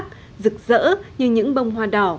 chúc cho những mơ ước đầu năm